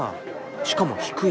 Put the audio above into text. しかも低い。